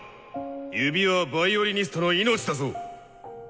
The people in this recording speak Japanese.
指はヴァイオリニストの命だぞ。